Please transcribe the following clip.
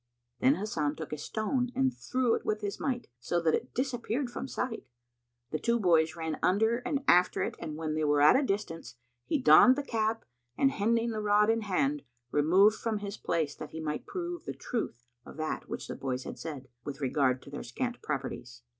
Then Hasan took a stone and threw it with his might, so that it disappeared from sight. The two boys ran under and after it and when they were at a distance, he donned the cap and hending the rod in hand, removed from his place that he might prove the truth of that which the boys had said, with regard to their scant properties.